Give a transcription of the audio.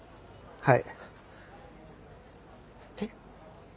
はい。